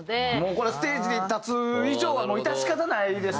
これはステージに立つ以上はもう致し方ないですからね。